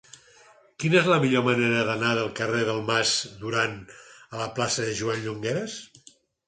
Quina és la millor manera d'anar del carrer del Mas Duran a la plaça de Joan Llongueras?